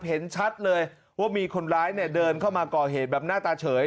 เห็นชัดเลยว่ามีคนร้ายเนี่ยเดินเข้ามาก่อเหตุแบบหน้าตาเฉย